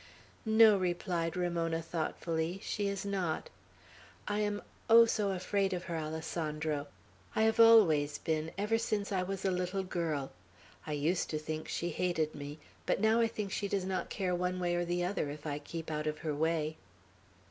"No," replied Ramona, thoughtfully. "She is not. I am, oh, so afraid of her, Alessandro! I have always been, ever since I was a little girl. I used to think she hated me; but now I think she does not care one way or the other, if I keep out of her way."